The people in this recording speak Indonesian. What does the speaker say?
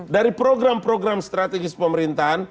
dari program program strategis pemerintahan